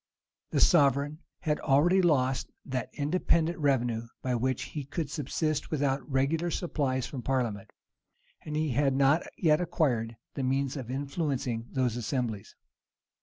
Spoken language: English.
The sovereign had already lost that independent revenue by which he could subsist without regular supplies from parliament; and he had not yet acquired the means of influencing those assemblies.